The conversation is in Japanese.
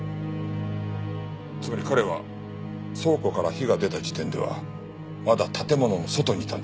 つまり彼は倉庫から火が出た時点ではまだ建物の外にいたんです。